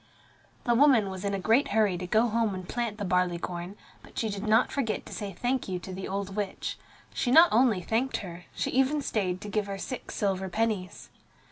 The woman was in a great hurry to go home and plant the barley corn, but she did not forget to say "thank you" to the old witch. She not only thanked her, she even stayed to give her six silver pennies.